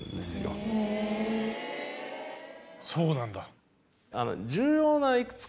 そうなんだ。